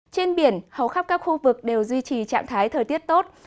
trên biển hầu khắp các khu vực đều duy trì trạng thái thời tiết tốt